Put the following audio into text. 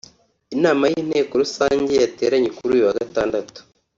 Inama y’ Inteko rusange yateranye kuri uyu wa Gatandatu